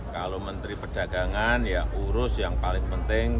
kalau menteri perdagangan ya urus yang paling penting